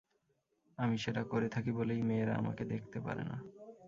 আমি সেটা করে থাকি বলেই মেয়েরা আমাকে দেখতে পারে না।